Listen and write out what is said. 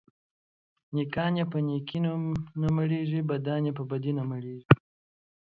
نيکان يې په نيکي نه مړېږي ، بدان يې په بدي نه مړېږي.